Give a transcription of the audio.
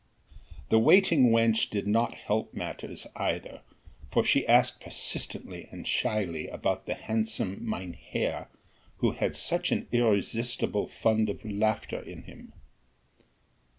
The waiting wench did not help matters either, for she asked persistently and shyly about the handsome mynheer who had such an irresistible fund of laughter in him.